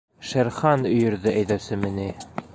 — Шер Хан өйөрҙө әйҙәүсеме ни?